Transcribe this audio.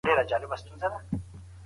مشران به خپلو منځونو کي مشورې کوي.